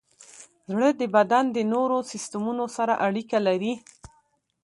زړه د بدن د نورو سیستمونو سره اړیکه لري.